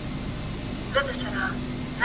ستا د زلفو په خوشبو پسې روان یم